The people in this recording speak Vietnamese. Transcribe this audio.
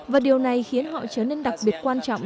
và điều này khiến họ trở nên đặc biệt quan trọng